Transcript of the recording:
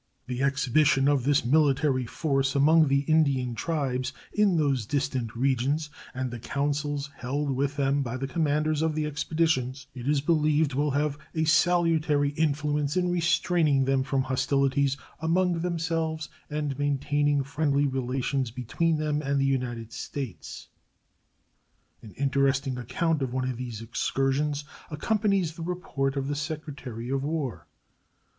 The exhibition of this military force among the Indian tribes in those distant regions and the councils held with them by the commanders of the expeditions, it is believed, will have a salutary influence in restraining them from hostilities among themselves and maintaining friendly relations between them and the United States. An interesting account of one of these excursions accompanies the report of the Secretary of War.